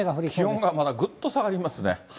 気温がまたぐっと下がりますね。